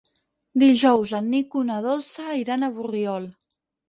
Dijous en Nico i na Dolça iran a Borriol.